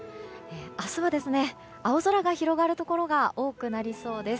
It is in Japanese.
明日は青空が広がるところが多くなりそうです。